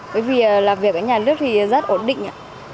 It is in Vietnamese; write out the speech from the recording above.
bởi vì làm việc với nhà nước thì rất ổn định